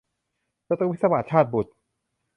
ศัตรูพิศวาส - ชาตบุษย์